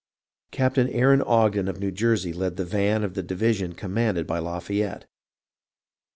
Captain Aaron Ogden of New Jersey led the van of the division commanded by Lafayette.